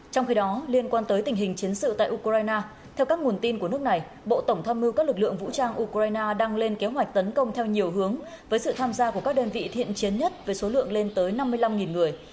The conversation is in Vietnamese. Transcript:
trong khi đó liên quan tới tình hình chiến sự tại ukraine theo các nguồn tin của nước này bộ tổng tham mưu các lực lượng vũ trang ukraine đang lên kế hoạch tấn công theo nhiều hướng với sự tham gia của các đơn vị thiện chiến nhất với số lượng lên tới năm mươi năm người